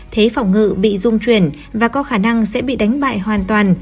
thế phòng ngự bị dung chuyển và có khả năng sẽ bị đánh bại hoàn toàn